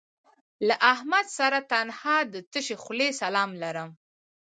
له احمد سره تنها د تشې خولې سلام لرم